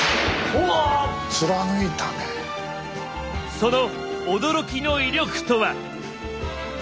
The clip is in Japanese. その驚きの威力とは。